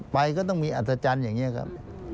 ก็ต้องมีอัศจรรย์อย่างนี้ครับ